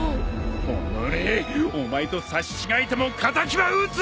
おのれお前とさし違えても敵は討つ！